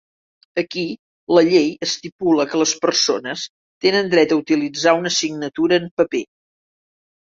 Aquí la llei estipula que les persones tenen dret a utilitzar una signatura en paper.